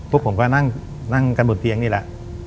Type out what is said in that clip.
ผมก็นั่งกันบนเตียงนี่แหละ